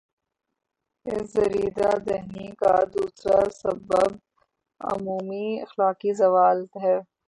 اس دریدہ دہنی کا دوسرا سبب عمومی اخلاقی زوال ہے۔